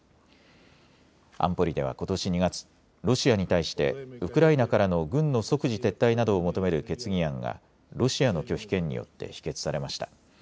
安保理ではことし２月、ロシアに対してウクライナからの軍の即時撤退などを求める決議案がロシアの拒否権によって否決されました。